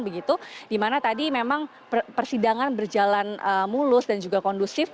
begitu dimana tadi memang persidangan berjalan mulus dan juga kondusif